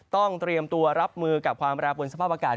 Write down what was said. ต้องเตรียมตัวรับมือกับความแปรปวนสภาพอากาศ